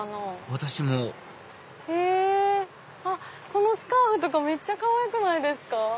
私もこのスカーフとかめっちゃかわいくないですか。